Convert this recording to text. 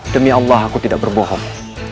demi allah aku tidak berbohong